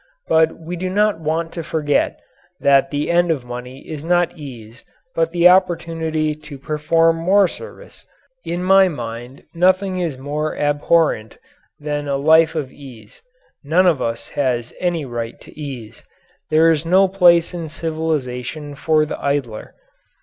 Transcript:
But we do not want to forget that the end of money is not ease but the opportunity to perform more service. In my mind nothing is more abhorrent than a life of ease. None of us has any right to ease. There is no place in civilization for the idler.